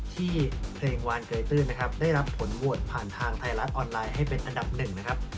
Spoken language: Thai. ที่เพลงวานเกยตื้นนะครับได้รับผลโหวตผ่านทางไทยรัฐออนไลน์ให้เป็นอันดับหนึ่งนะครับ